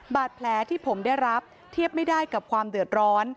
บาดแผลที่ผมได้รับเทียบไม่ได้กับความเดือดร้อน